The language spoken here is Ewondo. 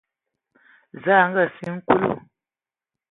Zǝə a ngaasiŋ Kulu.